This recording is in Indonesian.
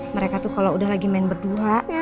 mereka tuh kalau udah lagi main berdua